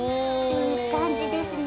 いい感じですね。